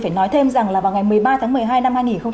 phải nói thêm rằng là vào ngày một mươi ba tháng một mươi hai